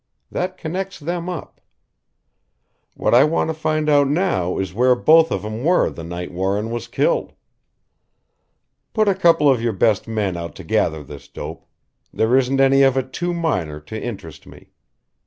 That connects them up. What I want to find out now is where both of 'em were the night Warren was killed. Put a couple of your best men out to gather this dope there isn't any of it too minor to interest me.